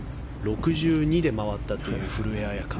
６２で回ったという古江彩佳。